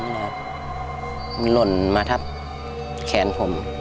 มันหล่นมาทับแขนผม